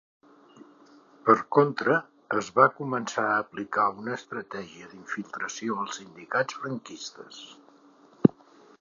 Per contra, es va començar a aplicar una estratègia d'infiltració als sindicats franquistes.